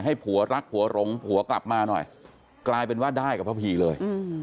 ผัวรักผัวหลงผัวกลับมาหน่อยกลายเป็นว่าได้กับพ่อผีเลย